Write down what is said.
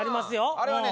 あれはね